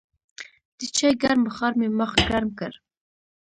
د چای ګرم بخار مې مخ ګرم کړ.